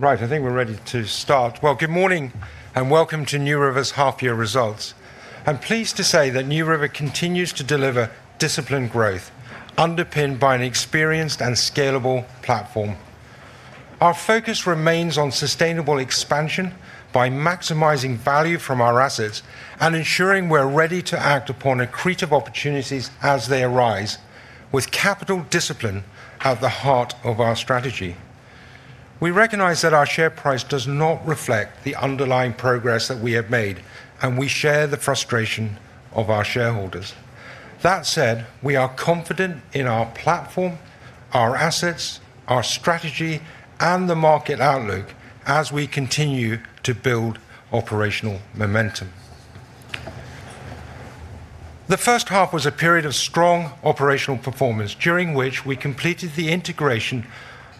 Right, I think we're ready to start. Good morning and welcome to NewRiver's half-year results. I'm pleased to say that NewRiver continues to deliver disciplined growth, underpinned by an experienced and scalable platform. Our focus remains on sustainable expansion by maximizing value from our assets and ensuring we're ready to act upon accretive opportunities as they arise, with capital discipline at the heart of our strategy. We recognize that our share price does not reflect the underlying progress that we have made, and we share the frustration of our shareholders. That said, we are confident in our platform, our assets, our strategy, and the market outlook as we continue to build operational momentum. The first half was a period of strong operational performance, during which we completed the integration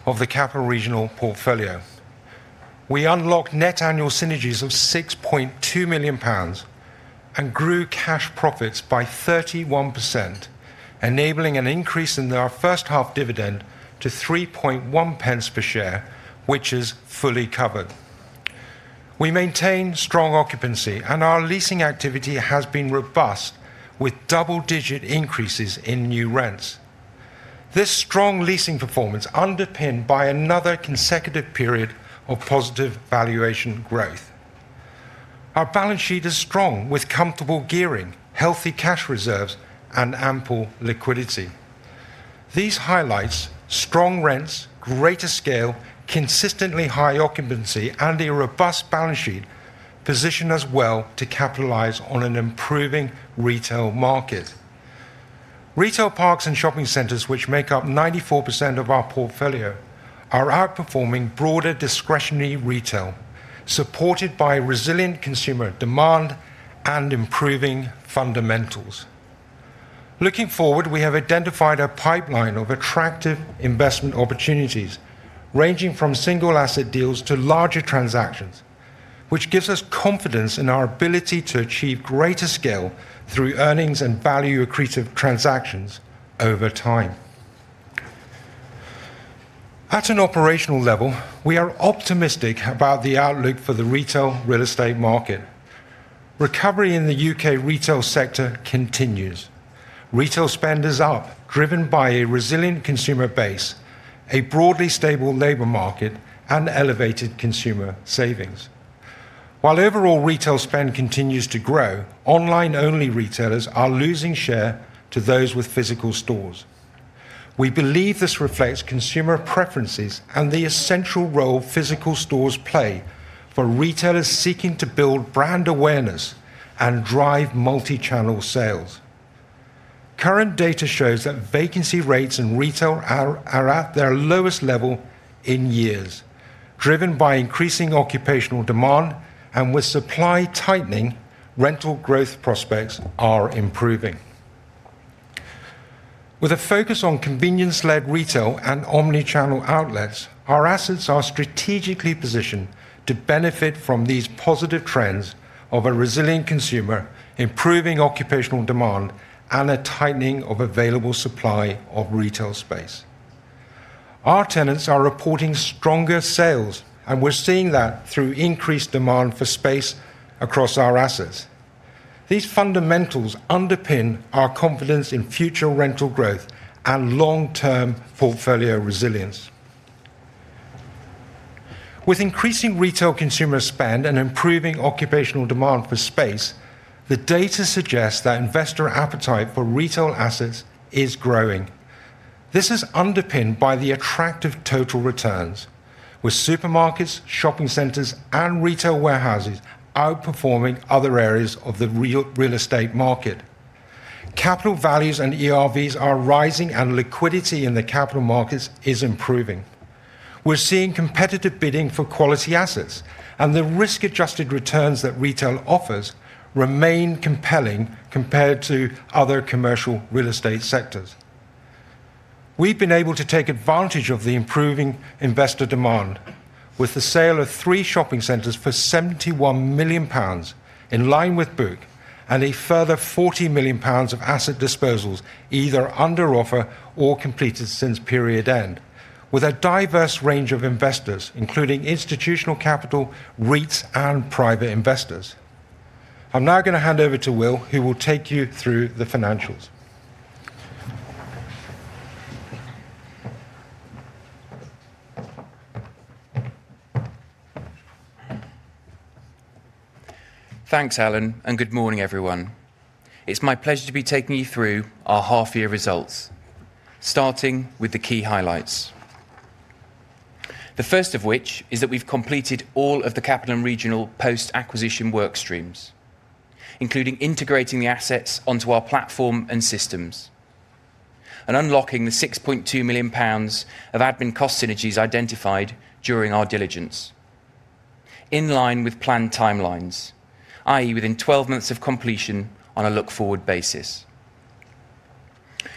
of the Capital & Regional portfolio. We unlocked net annual synergies of 6.2 million pounds and grew cash profits by 31%, enabling an increase in our first half dividend to 3.1 per share, which is fully covered. We maintain strong occupancy, and our leasing activity has been robust, with double-digit increases in new rents. This strong leasing performance is underpinned by another consecutive period of positive valuation growth. Our balance sheet is strong, with comfortable gearing, healthy cash reserves, and ample liquidity. These highlights—strong rents, greater scale, consistently high occupancy, and a robust balance sheet—position us well to capitalize on an improving retail market. Retail parks and shopping centres, which make up 94% of our portfolio, are outperforming broader discretionary retail, supported by resilient consumer demand and improving fundamentals. Looking forward, we have identified a pipeline of attractive investment opportunities, ranging from single-asset deals to larger transactions, which gives us confidence in our ability to achieve greater scale through earnings and value-accretive transactions over time. At an operational level, we are optimistic about the outlook for the retail real estate market. Recovery in the U.K. retail sector continues. Retail spend is up, driven by a resilient consumer base, a broadly stable labor market, and elevated consumer savings. While overall retail spend continues to grow, online-only retailers are losing share to those with physical stores. We believe this reflects consumer preferences and the essential role physical stores play for retailers seeking to build brand awareness and drive multi-channel sales. Current data shows that vacancy rates in retail are at their lowest level in years, driven by increasing occupational demand, and with supply tightening, rental growth prospects are improving. With a focus on convenience-led retail and omnichannel outlets, our assets are strategically positioned to benefit from these positive trends of a resilient consumer, improving occupational demand, and a tightening of available supply of retail space. Our tenants are reporting stronger sales, and we're seeing that through increased demand for space across our assets. These fundamentals underpin our confidence in future rental growth and long-term portfolio resilience. With increasing retail consumer spend and improving occupational demand for space, the data suggests that investor appetite for retail assets is growing. This is underpinned by the attractive total returns, with supermarkets, shopping centres, and retail warehouses outperforming other areas of the real estate market. Capital values and ERVs are rising, and liquidity in the capital markets is improving. We're seeing competitive bidding for quality assets, and the risk-adjusted returns that retail offers remain compelling compared to other commercial real estate sectors. We've been able to take advantage of the improving investor demand, with the sale of three shopping centres for 71 million pounds, in line with book, and a further 40 million pounds of asset disposals either under offer or completed since period end, with a diverse range of investors, including institutional capital, REITs, and private investors. I'm now going to hand over to Will, who will take you through the financials. Thanks, Allan, and good morning, everyone. It's my pleasure to be taking you through our half-year results, starting with the key highlights. The first of which is that we've completed all of the Capital & Regional post-acquisition work streams, including integrating the assets onto our platform and systems and unlocking the 6.2 million pounds of admin cost synergies identified during our diligence, in line with planned timelines, i.e., within 12 months of completion on a look-forward basis.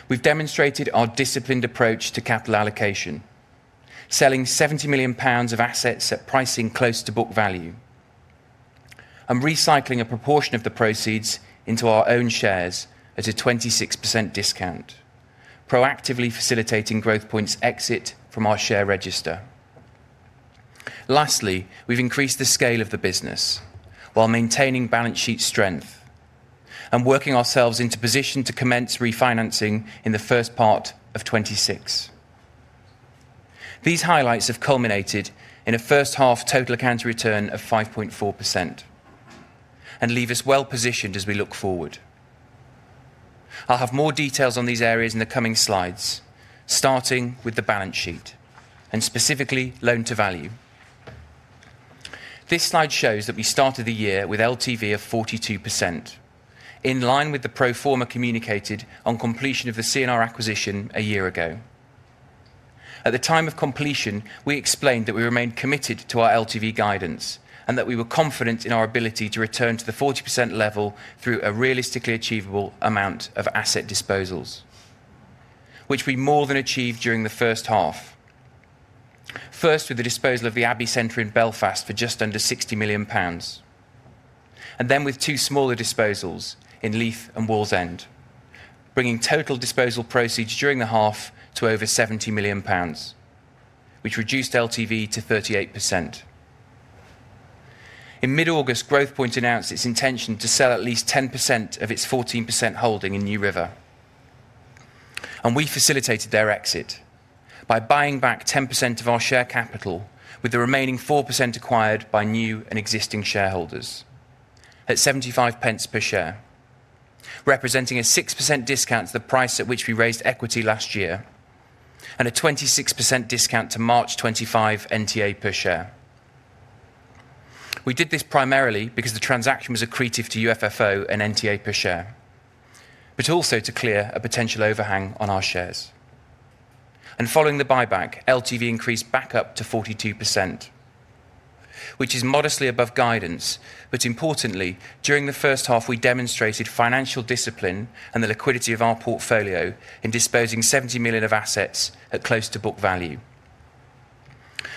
We've demonstrated our disciplined approach to capital allocation, selling 70 million pounds of assets at pricing close to book value, and recycling a proportion of the proceeds into our own shares at a 26% discount, proactively facilitating Growth Point's exit from our share register. Lastly, we've increased the scale of the business while maintaining balance sheet strength and working ourselves into position to commence refinancing in the first part of 2026. These highlights have culminated in a first half total accounting return of 5.4% and leave us well positioned as we look forward. I'll have more details on these areas in the coming slides, starting with the balance sheet and specifically loan-to-value. This slide shows that we started the year with LTV of 42%, in line with the pro forma communicated on completion of the CNR acquisition a year ago. At the time of completion, we explained that we remained committed to our LTV guidance and that we were confident in our ability to return to the 40% level through a realistically achievable amount of asset disposals, which we more than achieved during the first half, first with the disposal of the Abbey Centre in Belfast for just under 60 million pounds, and then with two smaller disposals in Leith and Wallsend, bringing total disposal proceeds during the half to over 70 million pounds, which reduced LTV to 38%. In mid-August, Growth Point announced its intention to sell at least 10% of its 14% holding in NewRiver, and we facilitated their exit by buying back 10% of our share capital, with the remaining 4% acquired by new and existing shareholders at 0.75 per share, representing a 6% discount to the price at which we raised equity last year and a 26% discount to March 2025 NTA per share. We did this primarily because the transaction was accretive to UFFO and NTA per share, but also to clear a potential overhang on our shares. Following the buyback, LTV increased back up to 42%, which is modestly above guidance, but importantly, during the first half, we demonstrated financial discipline and the liquidity of our portfolio in disposing 70 million of assets at close to book value.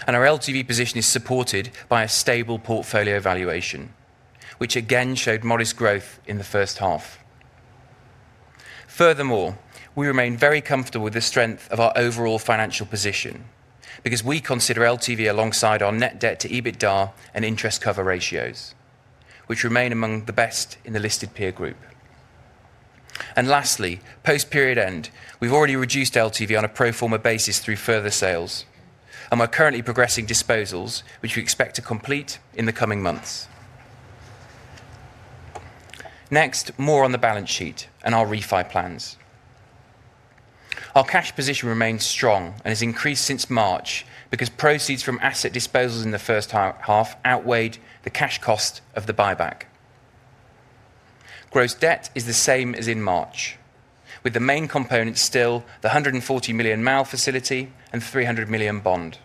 Our LTV position is supported by a stable portfolio valuation, which again showed modest growth in the first half. Furthermore, we remain very comfortable with the strength of our overall financial position because we consider LTV alongside our net debt to EBITDA and interest cover ratios, which remain among the best in the listed peer group. Lastly, post-period end, we've already reduced LTV on a pro forma basis through further sales and are currently progressing disposals, which we expect to complete in the coming months. Next, more on the balance sheet and our refi plans. Our cash position remains strong and has increased since March because proceeds from asset disposals in the first half outweighed the cash cost of the buyback. Gross debt is the same as in March, with the main components still the 140 million MAL facility and 300 million bond.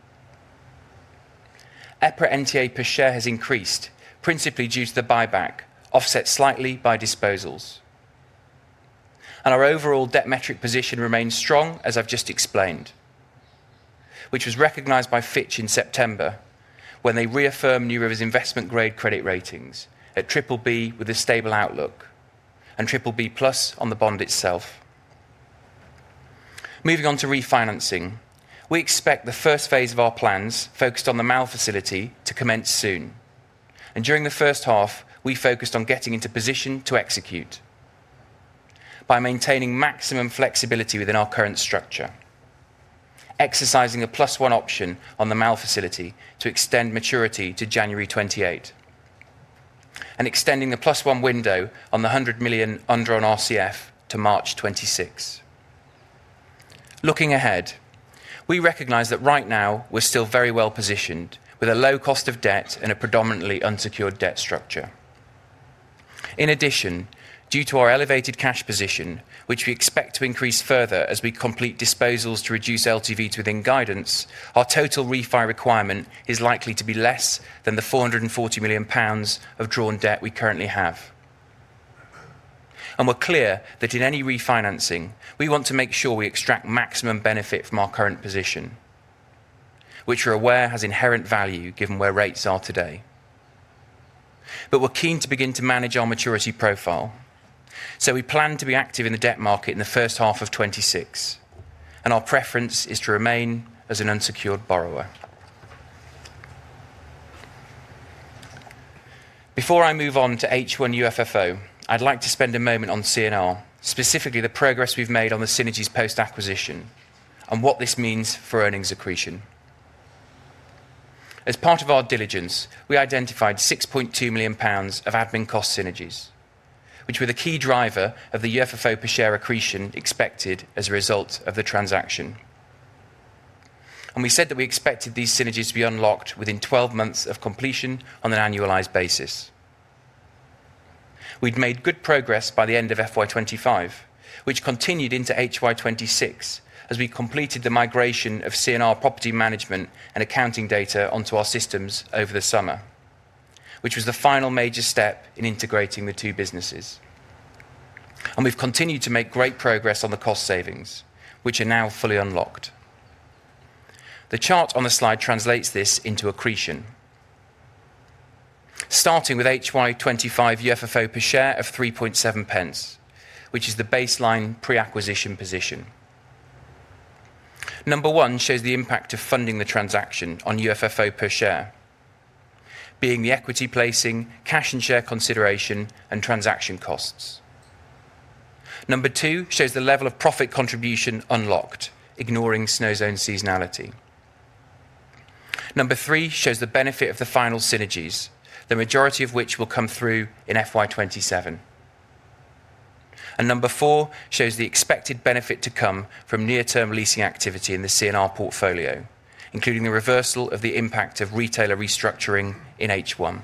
EPRA NTA per share has increased, principally due to the buyback, offset slightly by disposals. Our overall debt metric position remains strong, as I've just explained, which was recognized by Fitch in September when they reaffirmed NewRiver's investment-grade credit ratings at BBB with a stable outlook and BBB+ on the bond itself. Moving on to refinancing, we expect the first phase of our plans focused on the MAL facility to commence soon. During the first half, we focused on getting into position to execute by maintaining maximum flexibility within our current structure, exercising a plus-one option on the MAL facility to extend maturity to January 2028, and extending the plus-one window on the 100 million RCF to March 2026. Looking ahead, we recognize that right now we're still very well positioned with a low cost of debt and a predominantly unsecured debt structure. In addition, due to our elevated cash position, which we expect to increase further as we complete disposals to reduce LTVs within guidance, our total refi requirement is likely to be less than the 440 million pounds of drawn debt we currently have. We are clear that in any refinancing, we want to make sure we extract maximum benefit from our current position, which we are aware has inherent value given where rates are today. We are keen to begin to manage our maturity profile, so we plan to be active in the debt market in the first half of 2026, and our preference is to remain as an unsecured borrower. Before I move on to H1 UFFO, I would like to spend a moment on CNR, specifically the progress we have made on the synergies post-acquisition and what this means for earnings accretion. As part of our diligence, we identified 6.2 million pounds of admin cost synergies, which were the key driver of the UFFO per share accretion expected as a result of the transaction. We said that we expected these synergies to be unlocked within 12 months of completion on an annualized basis. We had made good progress by the end of FY 2025, which continued into HY 2026 as we completed the migration of CNR property management and accounting data onto our systems over the summer, which was the final major step in integrating the two businesses. We have continued to make great progress on the cost savings, which are now fully unlocked. The chart on the slide translates this into accretion, starting with HY 2025 UFFO per share of 3.7, which is the baseline pre-acquisition position. Number one shows the impact of funding the transaction on UFFO per share, being the equity placing, cash and share consideration, and transaction costs. Number two shows the level of profit contribution unlocked, ignoring Snow Zone seasonality. Number three shows the benefit of the final synergies, the majority of which will come through in FY2027. Number four shows the expected benefit to come from near-term leasing activity in the CNR portfolio, including the reversal of the impact of retailer restructuring in the first half.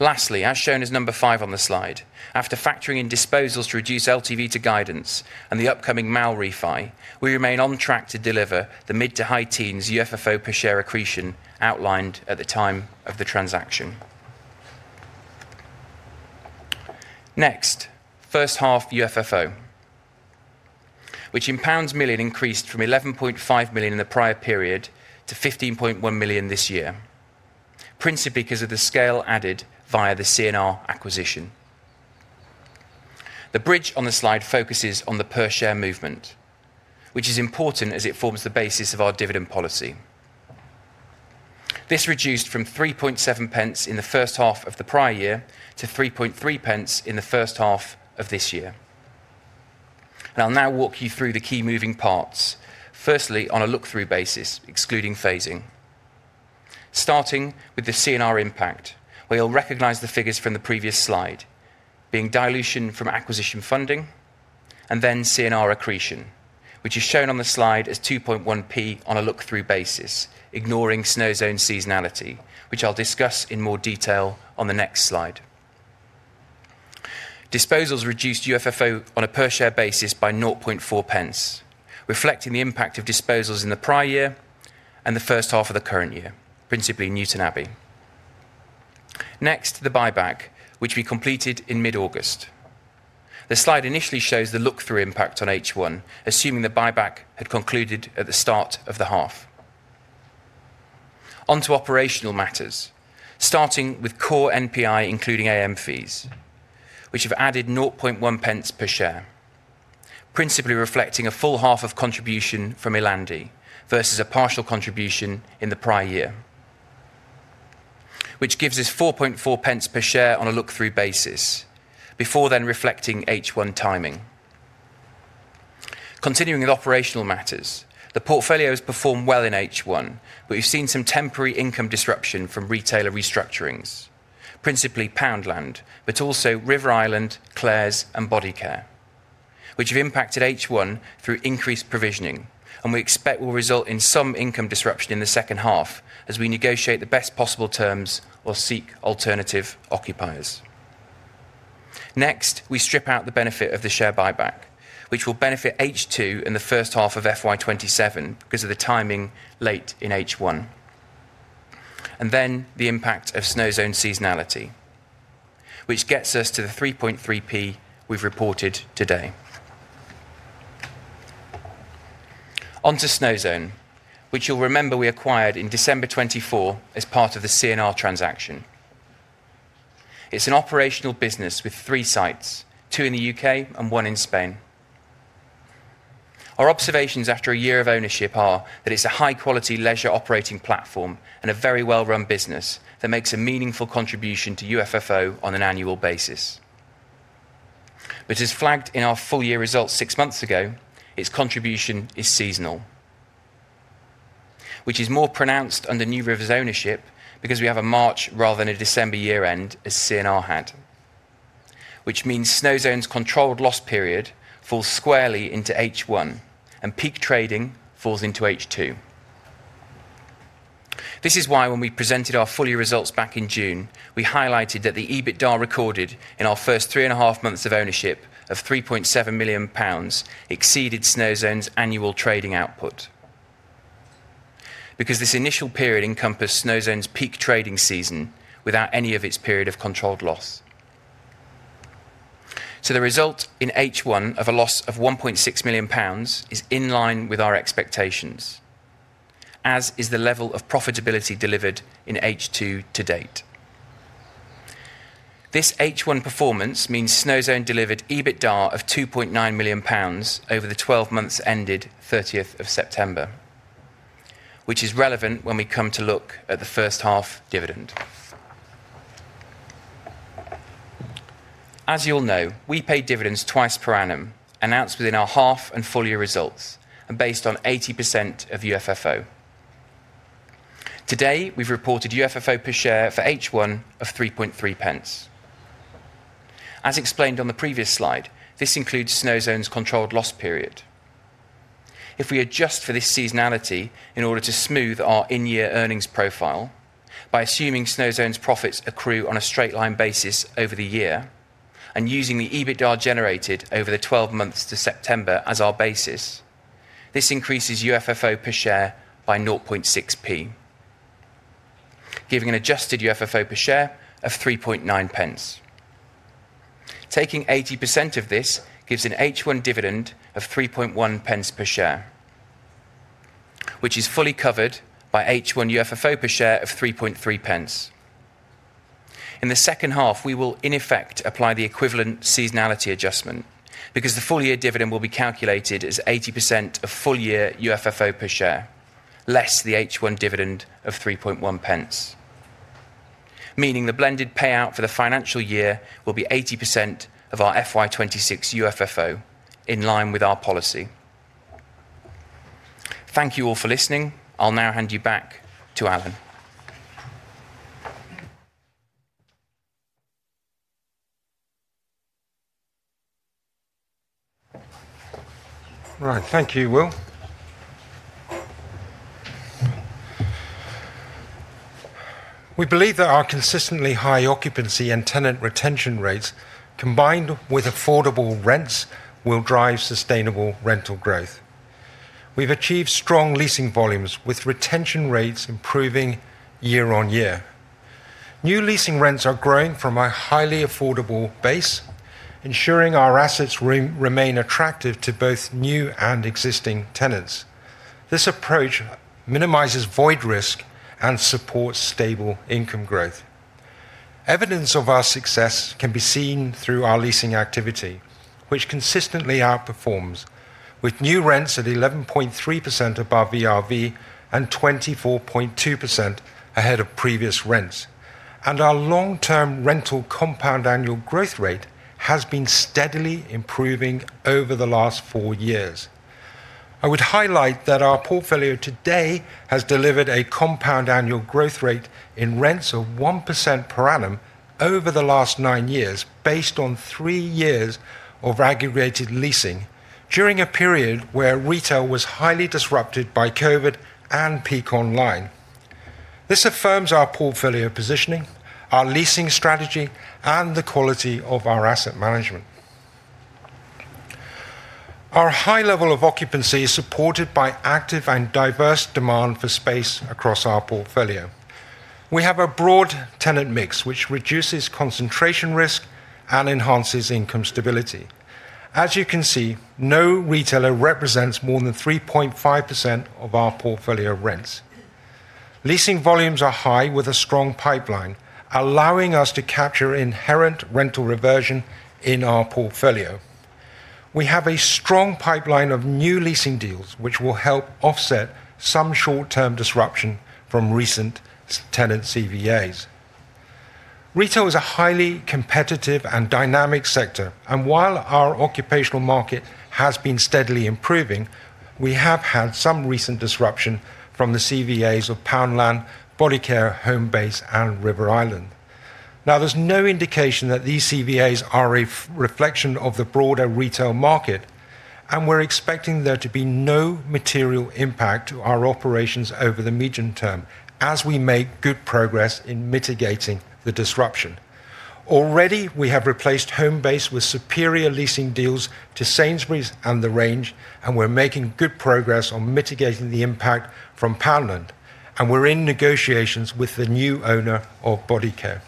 Lastly, as shown as number five on the slide, after factoring in disposals to reduce LTV to guidance and the upcoming MAL refi, we remain on track to deliver the mid to high teens UFFO per share accretion outlined at the time of the transaction. Next, first half UFFO, which in pounds 1 million increased from 11.5 million in the prior period to 15.1 million this year, principally because of the scale added via the CNR acquisition. The bridge on the slide focuses on the per share movement, which is important as it forms the basis of our dividend policy. This reduced from 3.7 pence in the first half of the prior year to 3.3 pence in the first half of this year. I'll now walk you through the key moving parts, firstly on a look-through basis, excluding phasing. Starting with the CNR impact, where you'll recognize the figures from the previous slide, being dilution from acquisition funding and then CNR accretion, which is shown on the slide as 2.1 pence on a look-through basis, ignoring Snow Zone seasonality, which I'll discuss in more detail on the next slide. Disposals reduced UFFO on a per share basis by 0.4 pence, reflecting the impact of disposals in the prior year and the first half of the current year, principally Newton Abbey. Next, the buyback, which we completed in mid-August. The slide initially shows the look-through impact on H1, assuming the buyback had concluded at the start of the half. Onto operational matters, starting with core NPI, including AM fees, which have added 0.1 pence per share, principally reflecting a full half of contribution from Illandi versus a partial contribution in the prior year, which gives us 4.4 pence per share on a look-through basis, before then reflecting H1 timing. Continuing with operational matters, the portfolio has performed well in H1, but we've seen some temporary income disruption from retailer restructurings, principally Poundland, but also River Island, Claire's, and Bodycare, which have impacted H1 through increased provisioning, and we expect will result in some income disruption in the second half as we negotiate the best possible terms or seek alternative occupiers. Next, we strip out the benefit of the share buyback, which will benefit H2 in the first half of FY 2027 because of the timing late in H1. The impact of Snow Zone seasonality gets us to the 3.3p we've reported today. Onto Snow Zone, which you'll remember we acquired in December 2024 as part of the CNR transaction. It's an operational business with three sites, two in the U.K. and one in Spain. Our observations after a year of ownership are that it is a high-quality leisure operating platform and a very well-run business that makes a meaningful contribution to UFFO on an annual basis. As flagged in our full year results six months ago, its contribution is seasonal, which is more pronounced under NewRiver's ownership because we have a March rather than a December year-end, as CNR had, which means Snow Zone's controlled loss period falls squarely into H1 and peak trading falls into H2. This is why when we presented our full year results back in June, we highlighted that the EBITDA recorded in our first three and a half months of ownership of 3.7 million pounds exceeded Snow Zone's annual trading output because this initial period encompassed Snow Zone's peak trading season without any of its period of controlled loss. The result in H1 of a loss of 1.6 million pounds is in line with our expectations, as is the level of profitability delivered in H2 to date. This H1 performance means Snow Zone delivered EBITDA of GBP 2.9 million over the 12 months ended 30th of September, which is relevant when we come to look at the first half dividend. As you'll know, we pay dividends twice per annum, announced within our half and full year results, and based on 80% of UFFO. Today, we've reported UFFO per share for H1 of 3.3 pence. As explained on the previous slide, this includes Snow Zone's controlled loss period. If we adjust for this seasonality in order to smooth our in-year earnings profile by assuming Snow Zone's profits accrue on a straight line basis over the year and using the EBITDA generated over the 12 months to September as our basis, this increases UFFO per share by 0.006, giving an adjusted UFFO per share of 3.9 pence. Taking 80% of this gives an H1 dividend of 3.1 pence per share, which is fully covered by H1 UFFO per share of 3.3 pence. In the second half, we will in effect apply the equivalent seasonality adjustment because the full year dividend will be calculated as 80% of full year UFFO per share less the H1 dividend of 3.1 pence, meaning the blended payout for the financial year will be 80% of our FY 2026 UFFO in line with our policy. Thank you all for listening. I'll now hand you back to Allan. Right, thank you, Will. We believe that our consistently high occupancy and tenant retention rates, combined with affordable rents, will drive sustainable rental growth. We've achieved strong leasing volumes with retention rates improving year on year. New leasing rents are growing from a highly affordable base, ensuring our assets remain attractive to both new and existing tenants. This approach minimizes void risk and supports stable income growth. Evidence of our success can be seen through our leasing activity, which consistently outperforms, with new rents at 11.3% above VRV and 24.2% ahead of previous rents, and our long-term rental compound annual growth rate has been steadily improving over the last four years. I would highlight that our portfolio today has delivered a compound annual growth rate in rents of 1% per annum over the last nine years, based on three years of aggregated leasing during a period where retail was highly disrupted by COVID and peak online. This affirms our portfolio positioning, our leasing strategy, and the quality of our asset management. Our high level of occupancy is supported by active and diverse demand for space across our portfolio. We have a broad tenant mix, which reduces concentration risk and enhances income stability. As you can see, no retailer represents more than 3.5% of our portfolio rents. Leasing volumes are high with a strong pipeline, allowing us to capture inherent rental reversion in our portfolio. We have a strong pipeline of new leasing deals, which will help offset some short-term disruption from recent tenant CVAs. Retail is a highly competitive and dynamic sector, and while our occupational market has been steadily improving, we have had some recent disruption from the CVAs of Poundland, Bodycare, Homebase, and River Island. Now, there's no indication that these CVAs are a reflection of the broader retail market, and we're expecting there to be no material impact to our operations over the medium term as we make good progress in mitigating the disruption. Already, we have replaced Homebase with superior leasing deals to Sainsbury's and The Range, and we're making good progress on mitigating the impact from Poundland, and we're in negotiations with the new owner of Bodycare.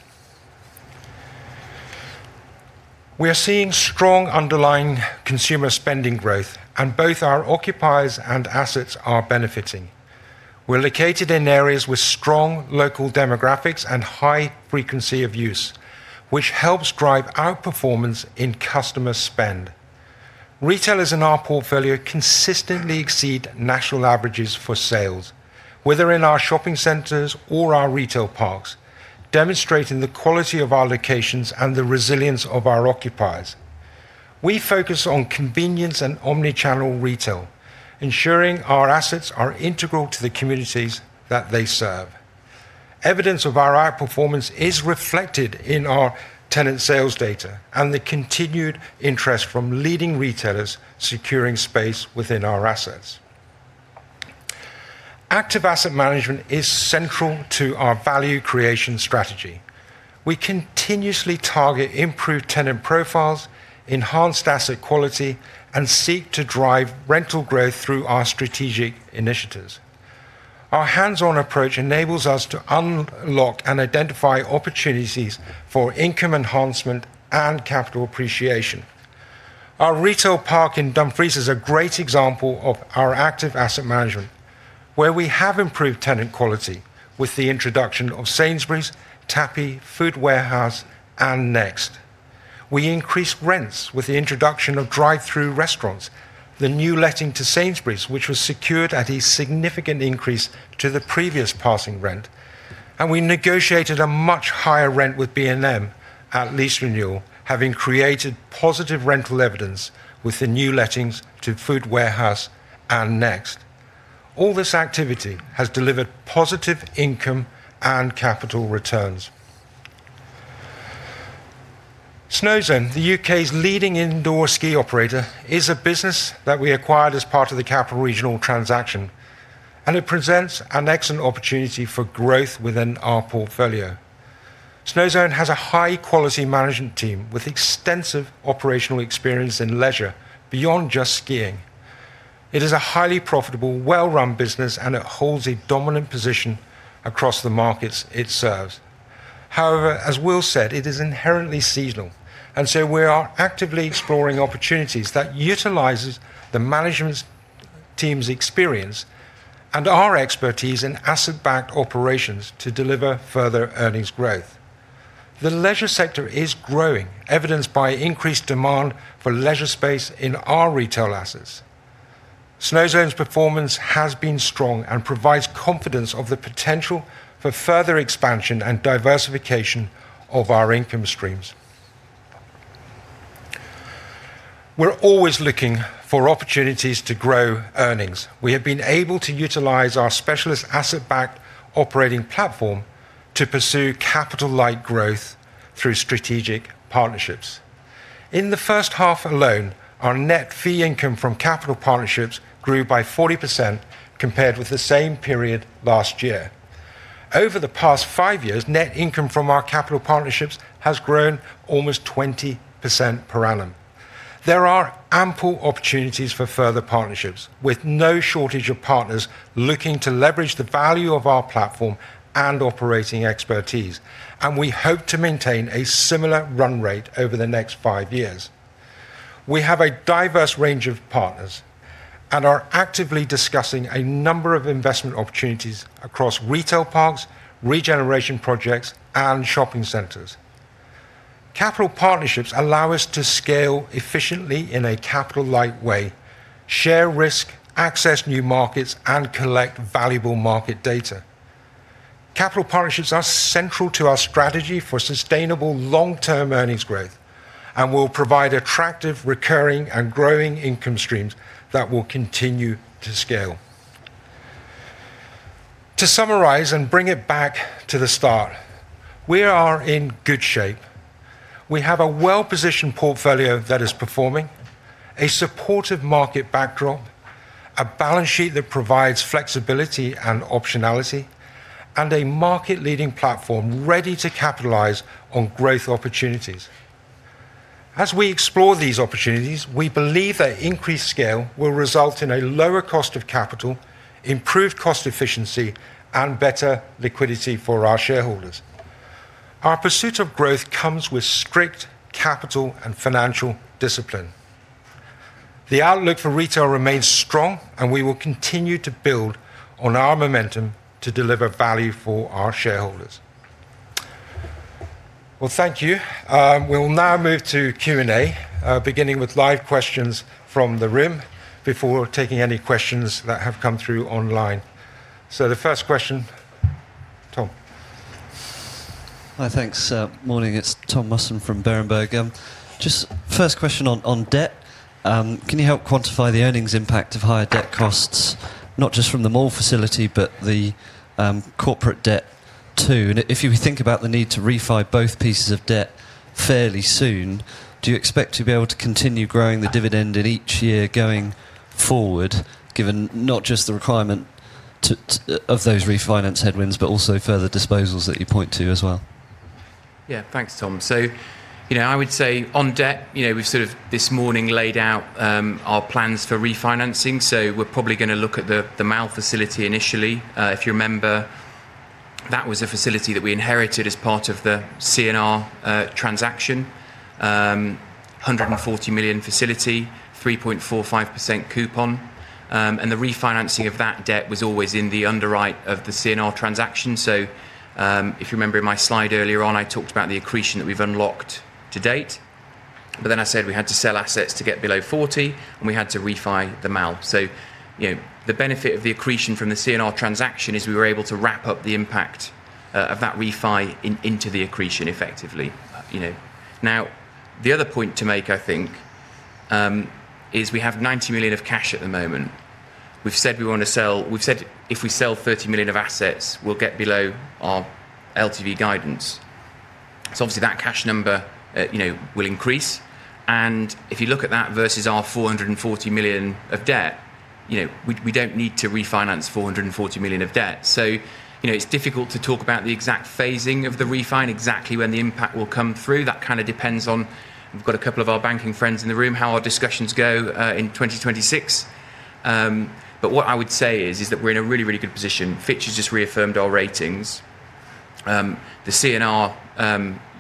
We are seeing strong underlying consumer spending growth, and both our occupiers and assets are benefiting. We're located in areas with strong local demographics and high frequency of use, which helps drive our performance in customer spend. Retailers in our portfolio consistently exceed national averages for sales, whether in our shopping centers or our retail parks, demonstrating the quality of our locations and the resilience of our occupiers. We focus on convenience and omnichannel retail, ensuring our assets are integral to the communities that they serve. Evidence of our outperformance is reflected in our tenant sales data and the continued interest from leading retailers securing space within our assets. Active asset management is central to our value creation strategy. We continuously target improved tenant profiles, enhanced asset quality, and seek to drive rental growth through our strategic initiatives. Our hands-on approach enables us to unlock and identify opportunities for income enhancement and capital appreciation. Our retail park in Dumfries is a great example of our active asset management, where we have improved tenant quality with the introduction of Sainsbury's, Tappy, Food Warehouse, and Next. We increased rents with the introduction of drive-through restaurants, the new letting to Sainsbury's, which was secured at a significant increase to the previous passing rent, and we negotiated a much higher rent with B&M at lease renewal, having created positive rental evidence with the new lettings to Food Warehouse and Next. All this activity has delivered positive income and capital returns. Snow Zone, the U.K.'s leading indoor ski operator, is a business that we acquired as part of the Capital & Regional transaction, and it presents an excellent opportunity for growth within our portfolio. Snow Zone has a high-quality management team with extensive operational experience in leisure beyond just skiing. It is a highly profitable, well-run business, and it holds a dominant position across the markets it serves. However, as Will said, it is inherently seasonal, and we are actively exploring opportunities that utilize the management team's experience and our expertise in asset-backed operations to deliver further earnings growth. The leisure sector is growing, evidenced by increased demand for leisure space in our retail assets. Snow Zone's performance has been strong and provides confidence of the potential for further expansion and diversification of our income streams. We're always looking for opportunities to grow earnings. We have been able to utilize our specialist asset-backed operating platform to pursue capital-like growth through strategic partnerships. In the first half alone, our net fee income from capital partnerships grew by 40% compared with the same period last year. Over the past five years, net income from our capital partnerships has grown almost 20% per annum. There are ample opportunities for further partnerships, with no shortage of partners looking to leverage the value of our platform and operating expertise, and we hope to maintain a similar run rate over the next five years. We have a diverse range of partners and are actively discussing a number of investment opportunities across retail parks, regeneration projects, and shopping centres. Capital partnerships allow us to scale efficiently in a capital-light way, share risk, access new markets, and collect valuable market data. Capital partnerships are central to our strategy for sustainable long-term earnings growth and will provide attractive, recurring, and growing income streams that will continue to scale. To summarize and bring it back to the start, we are in good shape. We have a well-positioned portfolio that is performing, a supportive market backdrop, a balance sheet that provides flexibility and optionality, and a market-leading platform ready to capitalize on growth opportunities. As we explore these opportunities, we believe that increased scale will result in a lower cost of capital, improved cost efficiency, and better liquidity for our shareholders. Our pursuit of growth comes with strict capital and financial discipline. The outlook for retail remains strong, and we will continue to build on our momentum to deliver value for our shareholders. Thank you. We will now move to Q&A, beginning with live questions from the room before taking any questions that have come through online. The first question, Tom. Hi, thanks. Morning. It is Tom Musson from Berenberg. Just first question on debt. Can you help quantify the earnings impact of higher debt costs, not just from the MAL facility, but the corporate debt too? If you think about the need to refinance both pieces of debt fairly soon, do you expect to be able to continue growing the dividend in each year going forward, given not just the requirement of those refinance headwinds, but also further disposals that you point to as well? Yeah, thanks, Tom. I would say on debt, we've sort of this morning laid out our plans for refinancing. We're probably going to look at the MAL facility initially. If you remember, that was a facility that we inherited as part of the CNR transaction, 140 million facility, 3.45% coupon. The refinancing of that debt was always in the underwrite of the CNR transaction. If you remember in my slide earlier on, I talked about the accretion that we've unlocked to date. I said we had to sell assets to get below 40, and we had to refinance the MAL. The benefit of the accretion from the CNR transaction is we were able to wrap up the impact of that refinance into the accretion effectively. The other point to make, I think, is we have 90 million of cash at the moment. We've said we want to sell. We've said if we sell 30 million of assets, we'll get below our LTV guidance. Obviously, that cash number will increase. If you look at that versus our 440 million of debt, we don't need to refinance 440 million of debt. It's difficult to talk about the exact phasing of the refinance, exactly when the impact will come through. That kind of depends on, we've got a couple of our banking friends in the room, how our discussions go in 2026. What I would say is that we're in a really, really good position. Fitch has just reaffirmed our ratings. The CNR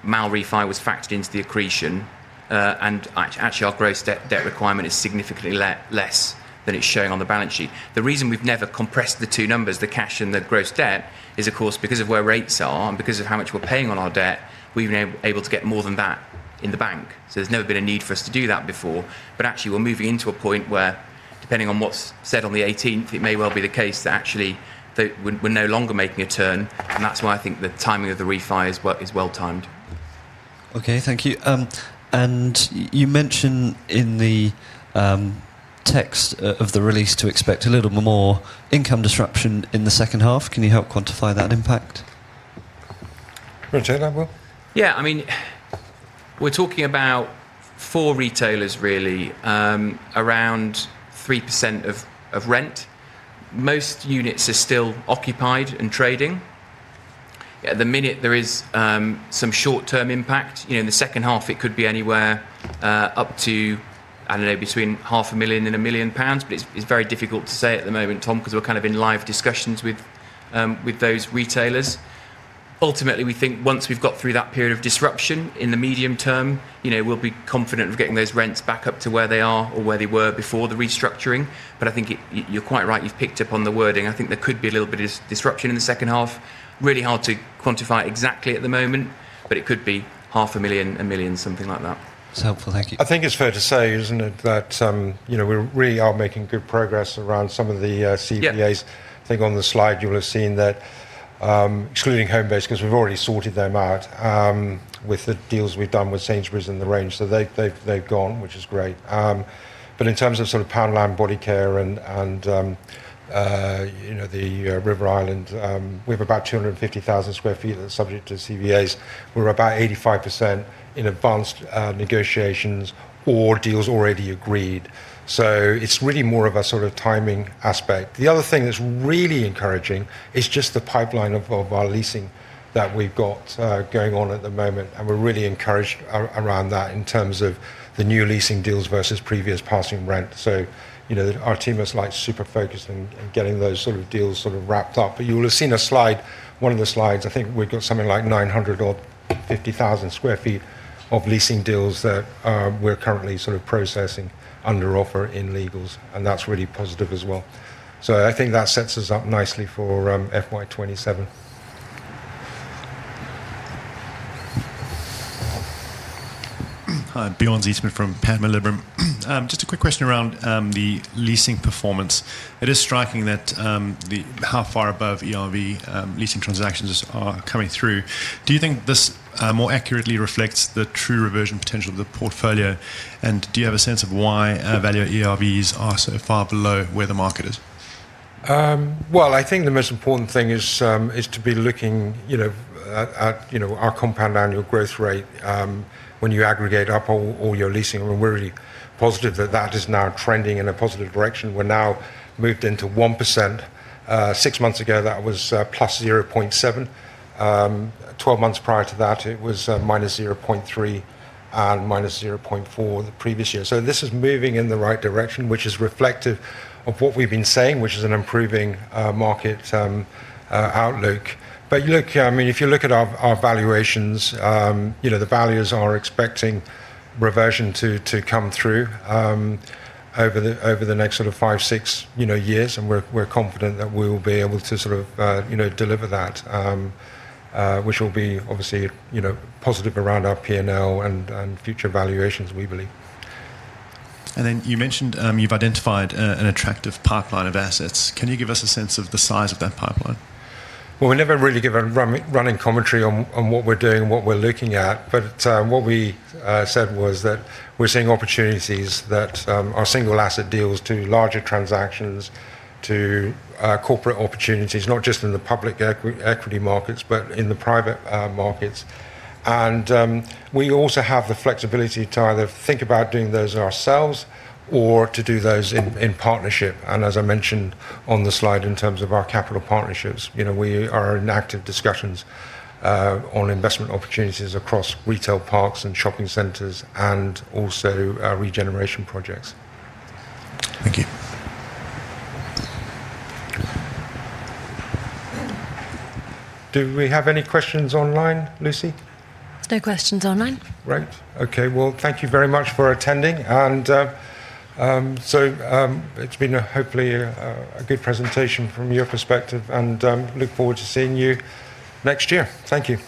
MAL refinance was factored into the accretion, and actually, our gross debt requirement is significantly less than it's showing on the balance sheet. The reason we've never compressed the two numbers, the cash and the gross debt, is, of course, because of where rates are and because of how much we're paying on our debt, we've been able to get more than that in the bank. There's never been a need for us to do that before. Actually, we're moving into a point where, depending on what's said on the 18th, it may well be the case that we're no longer making a turn. That is why I think the timing of the refinance is well timed. Okay, thank you. You mentioned in the text of the release to expect a little more income disruption in the second half. Can you help quantify that impact? Richard, I will. Yeah, I mean, we're talking about four retailers, really, around 3% of rent. Most units are still occupied and trading. At the minute, there is some short-term impact. In the second half, it could be anywhere up to, I don't know, between 500,000 and 1,000,000 pounds, but it's very difficult to say at the moment, Tom, because we're kind of in live discussions with those retailers. Ultimately, we think once we've got through that period of disruption in the medium term, we'll be confident of getting those rents back up to where they are or where they were before the restructuring. I think you're quite right. You've picked up on the wording. I think there could be a little bit of disruption in the second half. Really hard to quantify exactly at the moment, but it could be 500,000-1,000,000, something like that. That's helpful. Thank you. I think it's fair to say, isn't it, that we really are making good progress around some of the CVAs. I think on the slide, you'll have seen that, excluding Homebase, because we've already sorted them out with the deals we've done with Sainsbury's and The Range. They have gone, which is great. In terms of sort of Poundland, Bodycare, and River Island, we have about 250,000 sq ft that are subject to CVAs. We're about 85% in advanced negotiations or deals already agreed. It is really more of a sort of timing aspect. The other thing that's really encouraging is just the pipeline of our leasing that we've got going on at the moment, and we're really encouraged around that in terms of the new leasing deals versus previous passing rent. Our team is super focused on getting those sort of deals sort of wrapped up. You will have seen a slide, one of the slides. I think we've got something like 950,000 sq ft of leasing deals that we're currently sort of processing under offer in legals, and that's really positive as well. I think that sets us up nicely for FY2027. Hi, Bjorn Zietsman from Panmure Liberum. Just a quick question around the leasing performance. It is striking that how far above ERV leasing transactions are coming through. Do you think this more accurately reflects the true reversion potential of the portfolio? And do you have a sense of why value ERVs are so far below where the market is? I think the most important thing is to be looking at our compound annual growth rate when you aggregate up all your leasing. We're really positive that that is now trending in a positive direction. We're now moved into 1%. Six months ago, that was plus 0.7%. Twelve months prior to that, it was minus 0.3% and minus 0.4% the previous year. This is moving in the right direction, which is reflective of what we've been saying, which is an improving market outlook. Look, I mean, if you look at our valuations, the values are expecting reversion to come through over the next sort of five, six years. We are confident that we will be able to sort of deliver that, which will be obviously positive around our P&L and future valuations, we believe. You mentioned you have identified an attractive pipeline of assets. Can you give us a sense of the size of that pipeline? We never really give a running commentary on what we are doing and what we are looking at. What we said was that we are seeing opportunities that are single asset deals to larger transactions, to corporate opportunities, not just in the public equity markets, but in the private markets. We also have the flexibility to either think about doing those ourselves or to do those in partnership. As I mentioned on the slide in terms of our capital partnerships, we are in active discussions on investment opportunities across retail parks and shopping centres and also regeneration projects. Thank you. Do we have any questions online, Lucy? There are no questions online. Great. Thank you very much for attending. It has been hopefully a good presentation from your perspective, and I look forward to seeing you next year. Thank you.